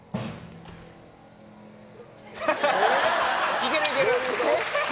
いけるいける。